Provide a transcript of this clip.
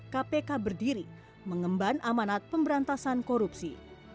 kpk berdiri mengemban amanat pemberantasan korupsi